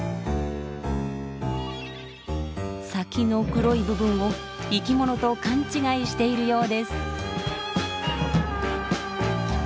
先の黒い部分を生き物と勘違いしているようです。